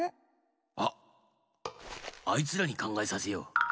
あっあいつらにかんがえさせよう！